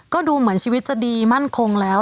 ก็ดูเหมือนชีวิตจะดีมั่นคงแล้ว